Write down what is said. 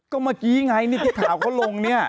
ก็เมื่อกี้ไงนี่ที่ข่าวเขาลงเนี่ย